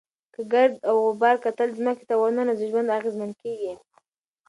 که د ګرد او غبار کتل ځمکې ته ورننوزي، ژوند اغېزمن کېږي.